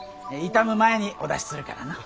傷む前にお出しするからのう。